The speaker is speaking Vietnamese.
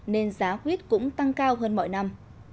nên giá quyết cũng tăng cao hơn mọi năm